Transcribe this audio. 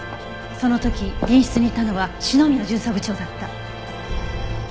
その時隣室にいたのは篠宮巡査部長だった。